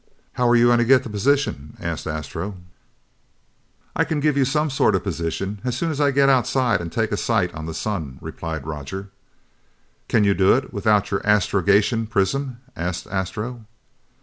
"How are you going to get the position?" asked Astro. "I can give you some sort of position as soon as I get outside and take a sight on the sun," replied Roger. "Can you do it without your astrogation prism?" asked Astro.